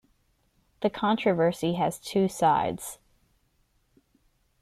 The controversy has two sides.